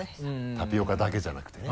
タピオカだけじゃなくてね。